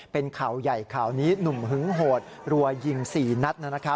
เป็นข่าวใหญ่ข่าวนี้หนุ่มหึงโหดรัวยิง๔นัด